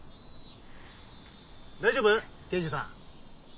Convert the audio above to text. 大丈夫刑事さん？